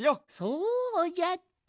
そうじゃった。